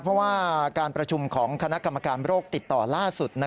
เพราะว่าการประชุมของคณะกรรมการโรคติดต่อล่าสุด